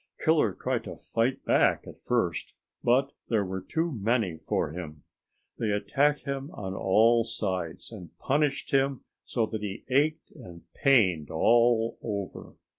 Killer tried to fight back at first, but there were too many for him. They attacked him on all sides, and punished him so that he ached and pained all over.